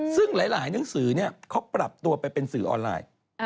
ซึ่งหลายหนังสือเขาปรับตัวไปเป็นสื่อออนไลน์